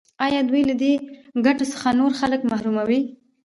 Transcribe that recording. آیا دوی له دې ګټو څخه نور خلک محروموي؟